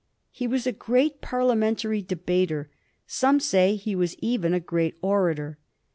He was a great parliamentary debater — some say he was even a great orator.